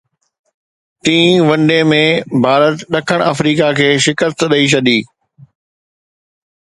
ٽين one day ۾ Bharat ڏکڻ Africa کي شڪست ڏئي ڇڏي